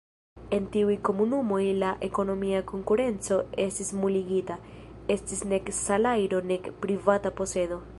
En tiuj komunumoj la ekonomia konkurenco estis nuligita, estis nek salajro nek privata posedo.